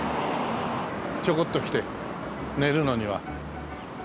ちょこっと来て寝るのには。